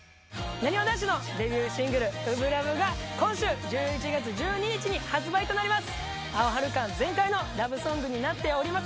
なにわ男子のデビューシングル『初心ＬＯＶＥ』が今週１１月１２日に発売になります。